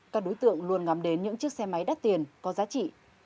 các đối tượng luôn ngắm đến những chiếc xe máy đắt tiền có giá trị